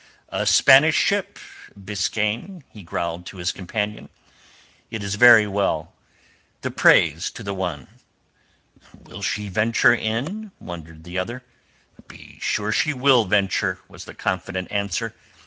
"A Spanish ship, Biskaine," he growled to his companion. "It is very well. The praise to the One!" "Will she venture in?" wondered the other. "Be sure she will venture," was the confident answer.